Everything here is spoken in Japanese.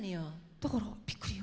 だからびっくりよ。